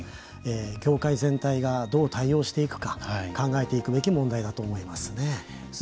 業界全体がどう対応していくか考えていくべき問題だと思いますね。